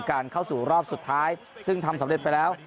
เข้าสู่รอบสุดท้ายซึ่งทำสำเร็จไปแล้ว